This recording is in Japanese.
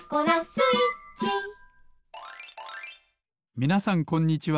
みなさんこんにちは。